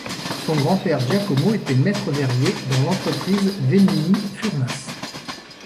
Son grand-père Giacomo était maître verrier dans l'entreprise Venini Furnace.